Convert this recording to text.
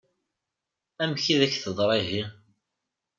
Amek i d-ak-teḍṛa ihi?